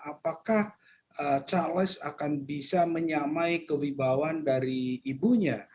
apakah charles akan bisa menyamai kewibawaan dari ibunya